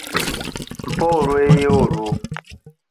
Mpa olweyo olwo.